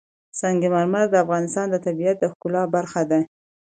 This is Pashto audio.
سنگ مرمر د افغانستان د طبیعت د ښکلا برخه ده.